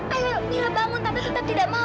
ayo mila bangun tante tetap tidak mau mila